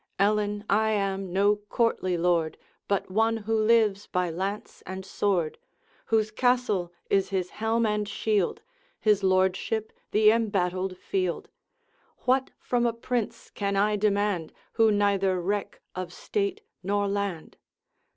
Ellen, I am no courtly lord, But one who lives by lance and sword, Whose castle is his helm and shield, His lordship the embattled field. What from a prince can I demand, Who neither reck of state nor land?